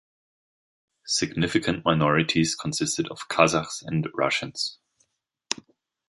Significant minorities consisted of Kazakhs and Russians.